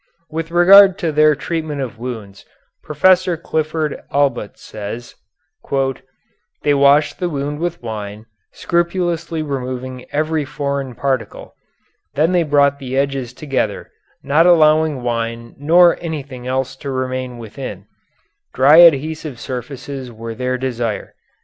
With regard to their treatment of wounds, Professor Clifford Allbutt says: "They washed the wound with wine, scrupulously removing every foreign particle; then they brought the edges together, not allowing wine nor anything else to remain within dry adhesive surfaces were their desire.